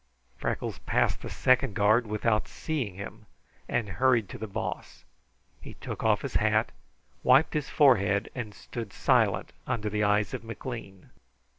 Freckles passed the second guard without seeing him, and hurried to the Boss. He took off his hat, wiped his forehead, and stood silent under the eyes of McLean.